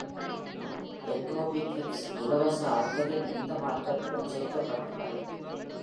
Entropy Gibbs இலவச ஆற்றலின் எந்த மாற்றத்திலும் சேர்க்கப்பட்டுள்ளது.